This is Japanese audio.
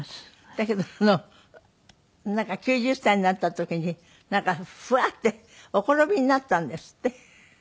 だけどあのなんか９０歳になった時にふわってお転びになったんですって？